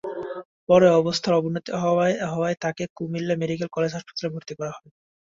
পরে অবস্থার অবনতি হওয়ায় তাকে কুমিল্লা মেডিকেল কলেজ হাসপাতালে ভর্তি করা হয়।